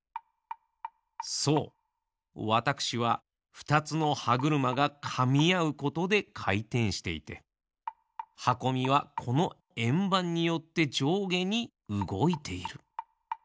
そうわたくしはふたつのはぐるまがかみあうことでかいてんしていてはこみはこのえんばんによってじょうげにうごいている。